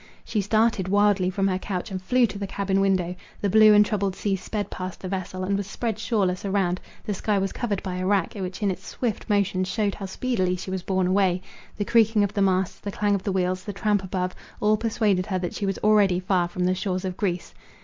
She started wildly from her couch, and flew to the cabin window. The blue and troubled sea sped past the vessel, and was spread shoreless around: the sky was covered by a rack, which in its swift motion shewed how speedily she was borne away. The creaking of the masts, the clang of the wheels, the tramp above, all persuaded her that she was already far from the shores of Greece.